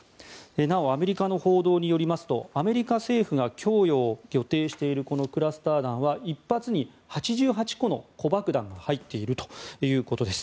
なお、アメリカの報道によりますとアメリカ政府が供与を予定しているこのクラスター弾は１発に８８個の子爆弾が入っているということです。